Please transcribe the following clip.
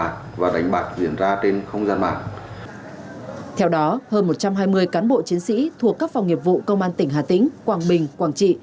theo đó hơn một trăm hai mươi cán bộ chiến sĩ thuộc các phòng nghiệp vụ công an tỉnh hà tĩnh quảng bình quảng trị